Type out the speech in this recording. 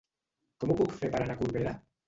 Com ho puc fer per anar a Corbera?